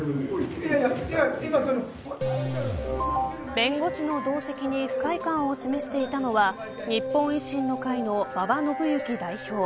弁護士の同席に不快感を示していたのは日本維新の会の馬場伸幸代表。